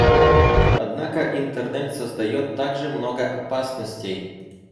Однако Интернет создает также много опасностей.